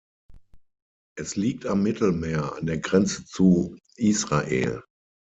Es liegt am Mittelmeer, an der Grenze zu Israel.